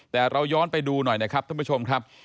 แต่เราย้อนไปดูหน่อยนะครับท่านผู้ชมครับ